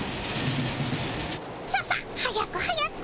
ささっ早く早く。